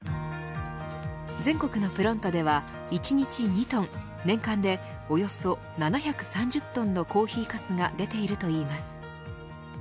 全国のＰＲＯＮＴＯでは１日２トン年間でおよそ７３０トンのコーヒーかすが出ているといいます。